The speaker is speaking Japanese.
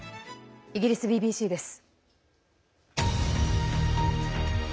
イギリスＢＢＣです。